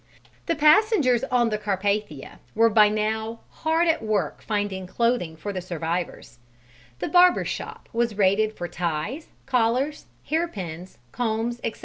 The passengers on the Carpathia were by now hard at work finding clothing for the survivors: the barber's shop was raided for ties, collars, hair pins, combs, etc.